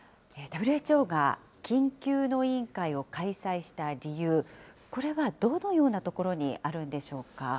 ＷＨＯが緊急の委員会を開催した理由、これはどのようなところにあるんでしょうか。